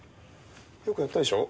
よくやったでしょ？